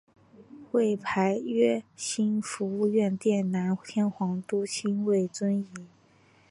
位牌曰兴福院殿南天皇都心位尊仪。